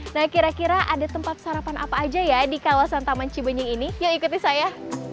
nah kira kira ada tempat sarapan apa aja ya di kawasan taman cibenying ini yuk ikuti saya